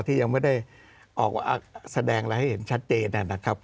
ที่ยังไม่ได้ออกมาแสดงอะไรให้เห็นชัดเจนนะครับ